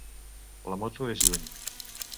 La moto és lluny.